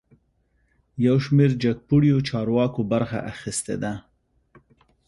یوشمیر جګپوړیو چارواکو برخه اخیستې ده